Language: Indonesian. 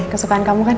kesukaan kamu kan